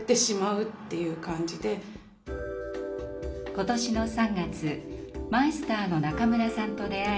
今年の３月マイスターの中村さんと出会い